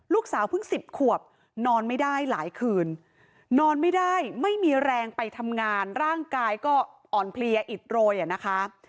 ลูกสาวเพิ่ง๑๐ขวบนอนไม่ได้หลายคืนนอนไม่ได้ไม่มีแรงไปทำงานร่างกายก็อ่อนเพลียอิดโรยอ่ะนะคะ